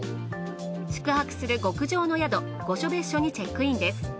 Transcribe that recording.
宿泊する極上の宿御所別墅にチェックインです。